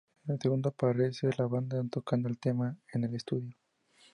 En el segundo aparece la banda tocando el tema en el estudio.